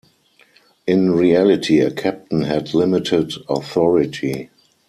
In reality, a captain had limited authority.